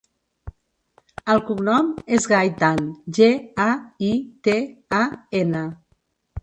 El cognom és Gaitan: ge, a, i, te, a, ena.